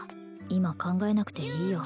今考えなくていいよ